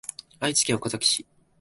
愛知県岡崎市